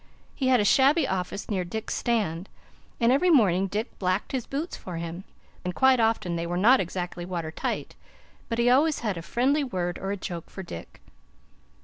He had a shabby office near Dick's stand, and every morning Dick blacked his boots for him, and quite often they were not exactly water tight, but he always had a friendly word or a joke for Dick.